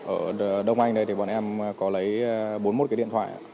ở đông anh đây thì bọn em có lấy bốn mươi một cái điện thoại